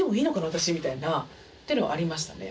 私」みたいなっていうのはありましたね。